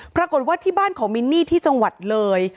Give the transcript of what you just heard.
ปรากฏว่าที่บ้านของมินนี่ที่จังหวัดเลย